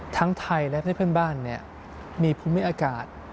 ทั้งไทยและที่เพื่อนบ้านเนี่ยมีภูมิอากาศ